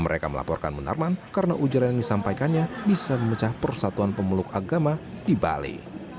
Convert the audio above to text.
mereka melaporkan munarman karena ujaran yang disampaikannya bisa memecah persatuan pemeluk agama di bali